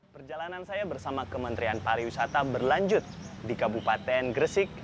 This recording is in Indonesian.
perjalanan saya bersama kementerian pariwisata berlanjut di kabupaten gresik